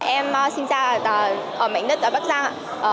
em sinh ra ở mảnh đất ở bắc giang